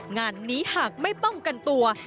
งานนี้หากไม่ป้องกันตัว